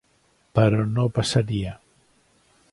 Però no passaria.